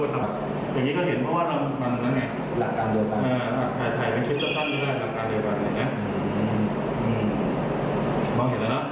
มันจะต้องโดนตรงหมวกโค้ง